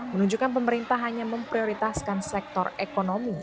menunjukkan pemerintah hanya memprioritaskan sektor ekonomi